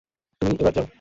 তুমি এবার যাও।